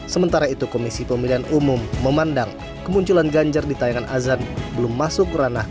sementara itu komisi pemilihan umum memandang kemunculan ganjar di tayangan azan belum masuk ranah